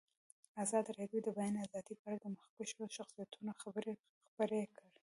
ازادي راډیو د د بیان آزادي په اړه د مخکښو شخصیتونو خبرې خپرې کړي.